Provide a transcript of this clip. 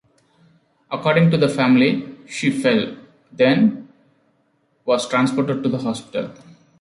According to the family, she fell, then was transported to the hospital.